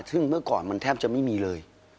ซึ่งเมื่อก่อนมันแทบจะไม่มีเลย